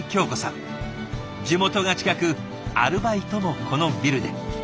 地元が近くアルバイトもこのビルで。